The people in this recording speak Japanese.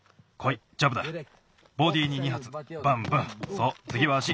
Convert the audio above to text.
そうつぎはあし。